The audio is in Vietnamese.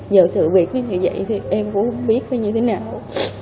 giờ sự việc như vậy em cũng không biết phải như thế nào